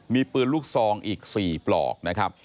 มีปืนลูกซองอีก๔ปลอกนะครับ